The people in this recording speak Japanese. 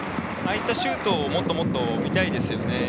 ああいったシュートをもっともっと見たいですよね。